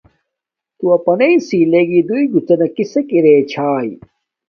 تو اپنانݵ سل گی راݵے گوڎنا کسک ارے چھاݵ۔